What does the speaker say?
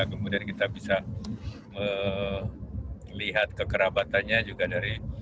kemudian kita bisa melihat kekerabatannya juga dari